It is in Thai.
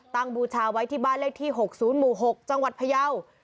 บูชาไว้ที่บ้านเลขที่๖๐หมู่๖จังหวัดพยาว